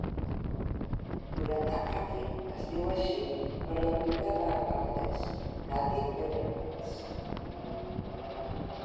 L'huracà Katty es diu així per la viuda de Randles, Katty Pepermans.